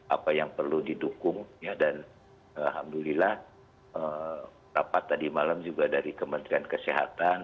apa yang perlu didukung dan alhamdulillah rapat tadi malam juga dari kementerian kesehatan